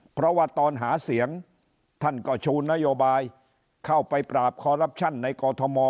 เพราะว่าตอนหาเสียงท่านก็ชูนโยบายเข้าไปปราบคอรัปชั่นในกอทม